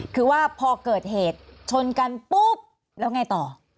คือว่าพอเกิดเหตุชนกันปุ๊บแล้วไงต่อ